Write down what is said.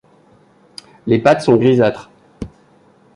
Les pattes sont grisâtres.